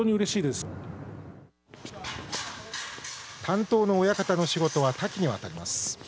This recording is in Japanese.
担当の親方の仕事は多岐にわたります。